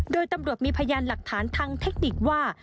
โดยตำรวจมีพยานหลักฐานทางเทคนิคว่า